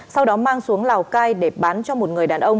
sau đó mang xuống lào cai để bán cho một người đàn ông